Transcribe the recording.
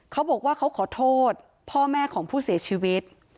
เขาบอกว่าเขาขอโทษพ่อแม่ของผู้เสียชีวิต